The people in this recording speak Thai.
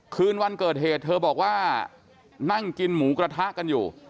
คืนวันเกิดเหตุเธอบอกว่านั่งกินหมูกระทะกันอยู่